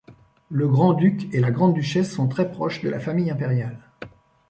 Le grand-duc et la grande-duchesse sont très proches de la famille impériale.